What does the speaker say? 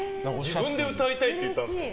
自分で歌いたいって言ったんですか？